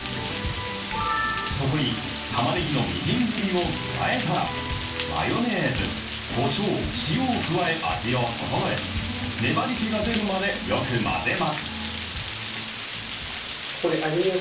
そこにたまねぎのみじん切りを加えたら、マヨネーズ、こしょう、塩を加え、味を調え、粘りけが出るまでよく混ぜます。